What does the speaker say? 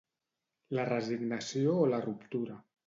La resignació o la ruptura.